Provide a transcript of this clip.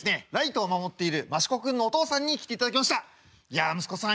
や息子さん